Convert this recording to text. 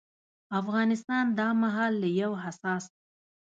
افغانستان دا مهال له يو حساس